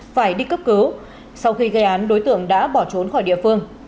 phải đi cấp cứu sau khi gây án đối tượng đã bỏ trốn khỏi địa phương